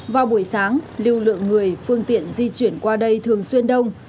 vào buổi sáng lưu lượng người phương tiện di chuyển qua đây thường xuyên đông